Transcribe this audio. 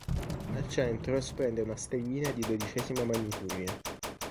Al centro splende una stellina di dodicesima magnitudine.